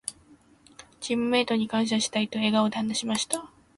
「チームメイトに感謝したい」と笑顔で話しました。